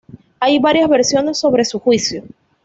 Hay varias versiones sobre su juicio.